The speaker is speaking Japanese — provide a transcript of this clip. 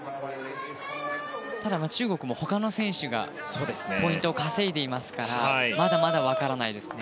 ただ中国も他の選手がポイントを稼いでいますからまだまだ分からないですね。